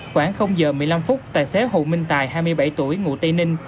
khoảng h một mươi năm tài xế hồ minh tài hai mươi bảy tuổi ngụ tây ninh